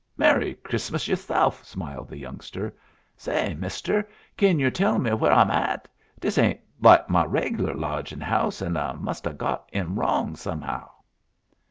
"Merry Chrissmus yerself!" smiled the youngster. "Say, mister, kin yer tell me where I'm at? Diss ain't like my reg'lar lodgin' house, and I must ha' got in wrong somehow."